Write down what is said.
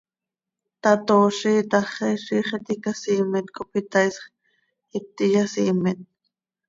tatoozi itaxi, ziix iti icasiimet cop itaaisx, iti yasiimet.